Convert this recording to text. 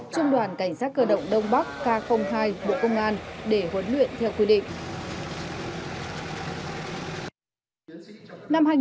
trung đoàn cảnh sát cơ động đông bắc k hai bộ công an để huấn luyện theo quy định